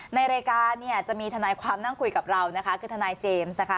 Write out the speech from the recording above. ในรายการเนี่ยจะมีทนายความนั่งคุยกับเรานะคะคือทนายเจมส์นะคะ